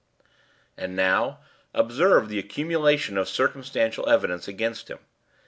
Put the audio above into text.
"And now, observe the accumulation of circumstantial evidence against him.